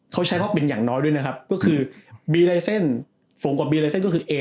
เขาใช้ว่าเป็นอย่างน้อยด้วยนะครับก็คือ